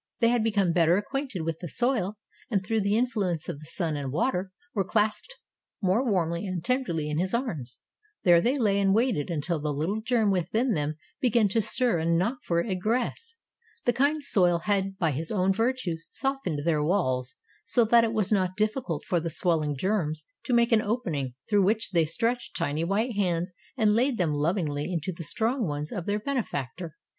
They had become better acquainted with the soil and through the influence of the sun and water were clasped more warmly and tenderly in his arms. There they lay and waited until the little germ within them began to stir and knock for egress. The kind soil had by his own virtues softened their walls so that it was not difficult for the swelling germs to make an opening through which they stretched tiny white hands and laid them lovingly into the strong ones of their benefactor.